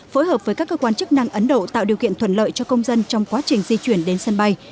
phối hợp với các cơ quan chức năng ấn độ tạo điều kiện thuận lợi cho công dân trong quá trình di chuyển đến sân bay